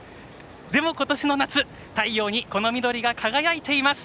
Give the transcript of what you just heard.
でも今年の夏、太陽にこの緑が輝いています！